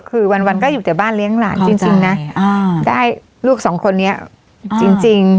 คือวันก็อยู่แต่บ้านเลี้ยงหลานจริงนะได้ลูกสองคนนี้จริง